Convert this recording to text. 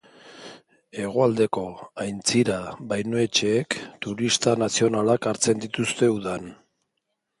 Hegoaldeko aintzira-bainuetxeek turista nazionalak hartzen dituzte, udan.